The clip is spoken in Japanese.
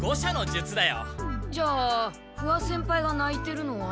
じゃあ不破先輩がないてるのは。